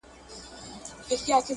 شاعر ورته له خپله دیده کتلي دي